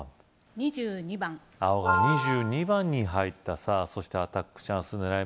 ２２番青が２２番に入ったさぁそしてアタックチャンス狙い目は？